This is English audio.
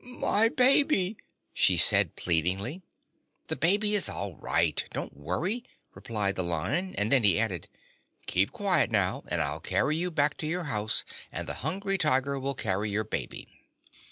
"My baby!" she said pleadingly. "The baby is all right; don't worry," replied the Lion; and then he added: "Keep quiet, now, and I'll carry you back to your house, and the Hungry Tiger will carry your baby."